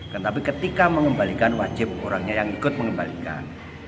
tetapi ketika mengembalikan wajib orangnya yang ikut mengembalikan